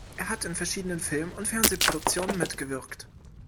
Er hat in verschiedenen Film- und Fernsehproduktionen mitgewirkt.